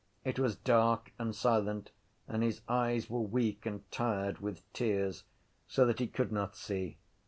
It was dark and silent and his eyes were weak and tired with tears so that he could not see.